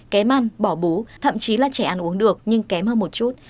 kém ăn bỏ bú thậm chí là trẻ ăn uống được nhưng kém hơn một chút